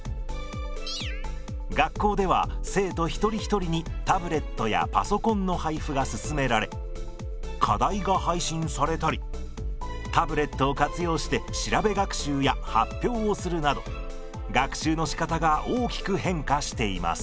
学校では生徒一人一人にタブレットやパソコンの配布が進められ課題が配信されたりタブレットを活用して調べ学習や発表をするなど学習のしかたが大きく変化しています。